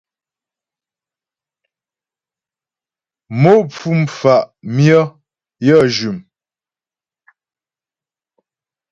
Mo pfú mfà' myə yə jʉm.